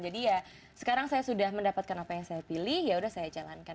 jadi ya sekarang saya sudah mendapatkan apa yang saya pilih yaudah saya jalankan